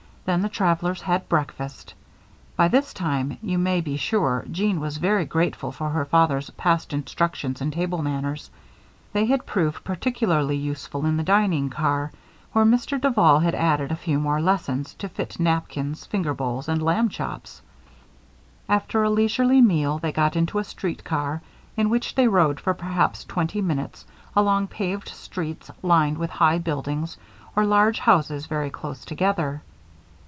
Then the travelers had breakfast. By this time, you may be sure, Jeanne was very grateful for her father's past instructions in table manners. They had proved particularly useful in the dining car, where Mr. Duval had added a few more lessons to fit napkins, finger bowls, and lamb chops. After a leisurely meal, they got into a street car in which they rode for perhaps twenty minutes along paved streets lined with high buildings or large houses very close together.